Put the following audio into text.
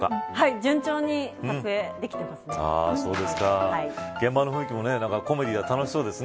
順調に撮影できてますね。